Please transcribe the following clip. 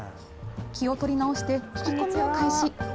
気を取り直して聞き込みを開始。